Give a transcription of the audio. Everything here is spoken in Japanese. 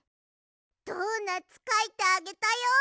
ドーナツかいてあげたよ。